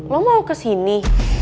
lo mau kesini